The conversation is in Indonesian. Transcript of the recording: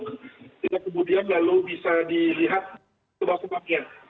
kita kemudian lalu bisa dilihat sebab sebabnya